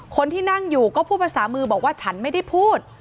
คนที่นั่งอยู่ก็พูดภาษามือบอกว่าฉันไม่ได้พูด